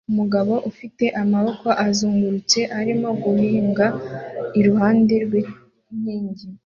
Umugabo ufite amaboko azungurutse arimo guhinga iruhande rw'inkingi